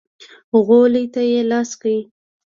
غولي ته يې لاس کړ.